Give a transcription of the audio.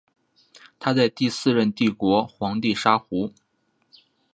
他在第四任帝国皇帝沙胡。